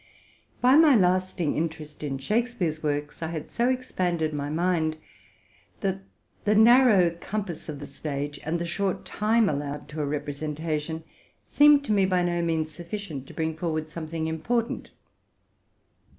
By my lasting interest in Shakspeare's works, I had so expanded my mind, that the narrow compass of the stage, and the short time allotted to a representation, seemed to me by no means sufficient to bring forward something important.